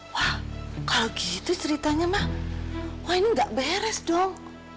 wah kalau gitu ceritanya mah wah ini nggak beres dong